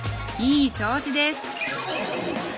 いい調子です！